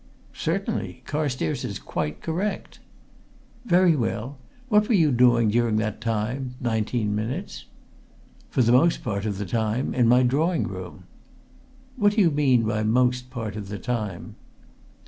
"Certainly! Carstairs is quite correct." "Very well. Where were you during that time nineteen minutes?" "For the most part of the time, in my drawing room." "What do you mean by most part of the time?"